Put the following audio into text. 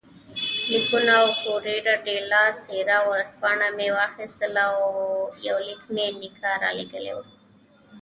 لیکونه او کوریره ډیلا سیرا ورځپاڼه مې واخیستل، یو لیک مې نیکه رالېږلی وو.